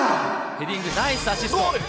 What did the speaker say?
ヘディング、ナイスアシスト。